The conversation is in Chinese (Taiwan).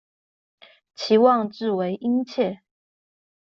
期望至為殷切